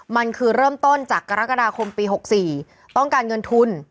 มันคือเริ่มต้นจากกรกฎาคมปี๖๔ต้องการเงินทุน